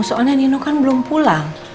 soalnya nino kan belum pulang